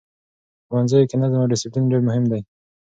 په ښوونځیو کې نظم او ډسپلین ډېر مهم دی.